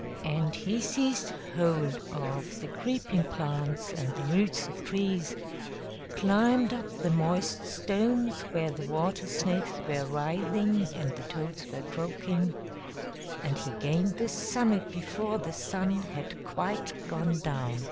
And he seized hold of the creeping plants, and the roots of trees climbed up the moist stones where the water snakes were writhing and the toads were croaking and he gained the summit before the sun had quite gone down.